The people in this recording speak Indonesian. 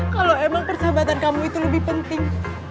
kalau emang persahabatan kamu itu lebih penting